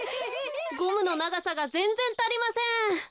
ゴムのながさがぜんぜんたりません。